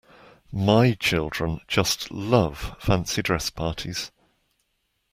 My children just love fancy dress parties